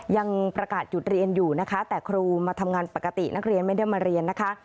ยังประกาศหยุดเรียนอยู่นะคะแต่ครูมาทำงานปกตินักเรียนไม่ได้มาเรียนนะคะ